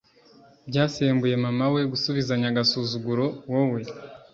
Byasembuye mama we gusubizanya agasuzuguro wowe